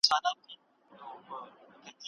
ایا ته له کوډینګ سره مینه لري که نه؟